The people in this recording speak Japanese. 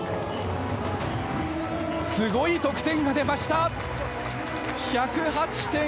すごい得点が出ました！